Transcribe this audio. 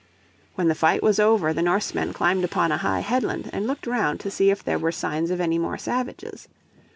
When the fight was over the Norsemen climbed upon a, high headland and looked round to see if there were signs of any more savages.